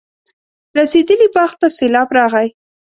رسېدلي باغ ته سېلاب راغی.